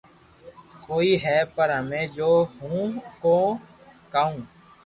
ڪوئي ھي پر ھمي جو ھون ڪو ڪاو